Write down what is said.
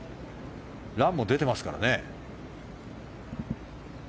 ランも出てますからね。